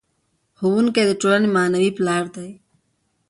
ښوونکی د ټولنې معنوي پلار دی.